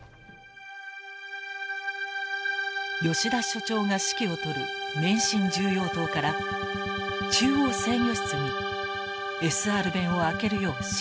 吉田所長が指揮を執る免震重要棟から中央制御室にＳＲ弁を開けるよう指示。